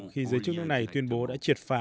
khi giới chức nước này tuyên bố đã triệt phá